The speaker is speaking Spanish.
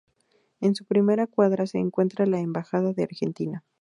En su primera cuadra se encuentra la embajada de Argentina.